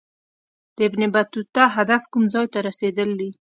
د ابن بطوطه هدف کوم ځای ته رسېدل دي.